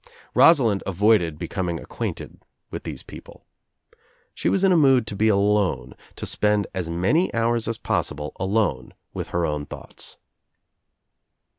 Rosalind avoided bc commg acquainted with these people. She was in a mood to be alone, to spend as many hours as possible alone with her own thoughts.